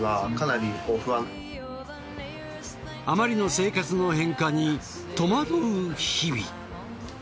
あまりの生活の変化に戸惑う日々。